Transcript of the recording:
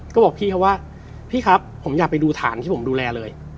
ก็บอกพี่เขาว่าพี่ครับผมอยากไปดูฐานที่ผมดูแลเลย